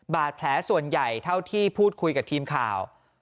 บาดแผลส่วนใหญ่เท่าที่พูดคุยกับทีมข่าว